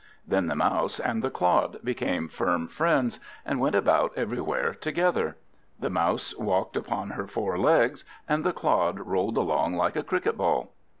Then the Mouse and the Clod became firm friends, and went about everywhere together. The Mouse walked upon her four legs, and the Clod rolled along like a cricket ball.